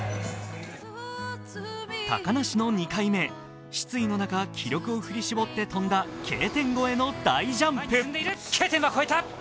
高梨の２回目、失意の中、記録を振り絞って飛んだＫ点越えの大ジャンプ。